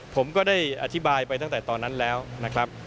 ผมก็ได้อธิบายไปตั้งแต่ตอนนั้นแล้วนะครับ